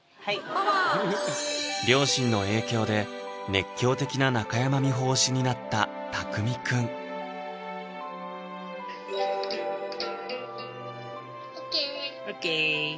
両親の影響で熱狂的な中山美穂推しになったタクミくんＯＫ！ＯＫ！